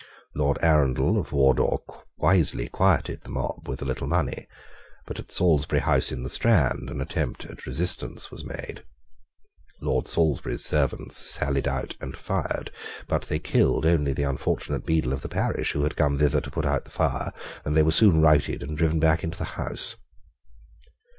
Lord Arundell of Wardour wisely quieted the mob with a little money: but at Salisbury House in the Strand an attempt at resistance was made. Lord Salisbury's servants sallied out and fired: but they killed only the unfortunate beadle of the parish, who had come thither to put out the fire; and they were soon routed and driven back into the house.